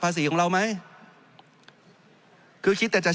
จริงโครงการนี้มันเป็นภาพสะท้อนของรัฐบาลชุดนี้ได้เลยนะครับ